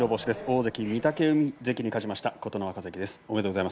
大関御嶽海関に勝ちました琴ノ若関です。